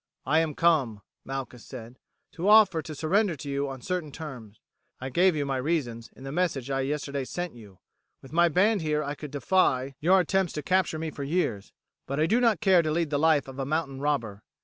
"I am come," Malchus said, "to offer to surrender to you on certain terms. I gave you my reasons in the message I yesterday sent you. With my band here I could defy your attempts to capture me for years, but I do not care to lead the life of a mountain robber.